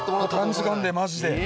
短時間でマジで。